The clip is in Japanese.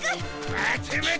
待て待て！